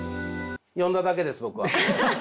読んだだけです僕は。